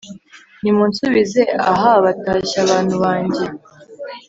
nimunsubize aha batashya bantu bange